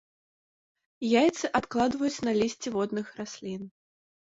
Яйцы адкладваюць на лісце водных раслін.